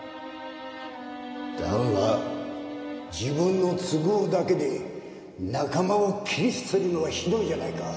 だが自分の都合だけで仲間を切り捨てるのはひどいじゃないか。